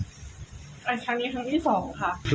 ครั้งนี้ครั้งที่๒ค่ะ